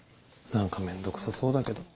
何か面倒くさそうだけど。